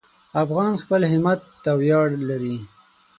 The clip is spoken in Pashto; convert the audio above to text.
افغان خپل همت ته ویاړ لري.